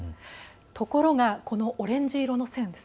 ところが、このオレンジ色の線。